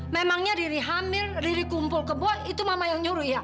memangnya riri hamil riri kumpul ke bawah itu mama yang nyuruh iya